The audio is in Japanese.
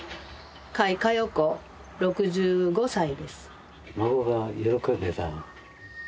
甲斐かよこ６５歳です。